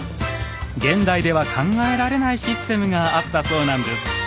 現代では考えられないシステムがあったそうなんです。